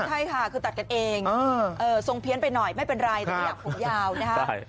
ใช่ค่ะคือตัดกันเองทรงเพี้ยนไปหน่อยไม่เป็นไรแต่อยากผมยาวนะคะ